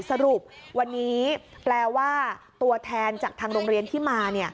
สรุปวันนี้แปลว่าตัวแทนจากทางโรงเรียนที่มา